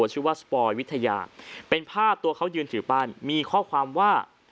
ชื่อว่าสปอยวิทยาเป็นภาพตัวเขายืนถือปั้นมีข้อความว่า